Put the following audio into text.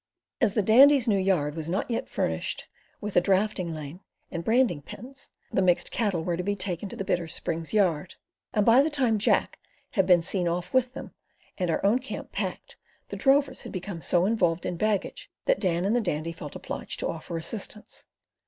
As the Dandy's new yard was not furnished yet with a draughting lane and branding pens, the mixed cattle were to be taken to the Bitter Springs yard; and by the time Jack had been seen off with them and our own camp packed up, the drovers had become so involved in baggage that Dan and the Dandy felt obliged to offer assistance.